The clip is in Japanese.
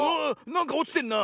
なんかおちてんな！